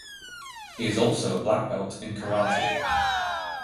He is also a black belt in karate.